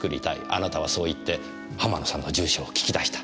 あなたはそう言って浜野さんの住所を聞き出した。